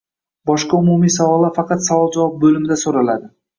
Boshqa umumiy savollar faqat Savol-Javob bo’limida so’raladi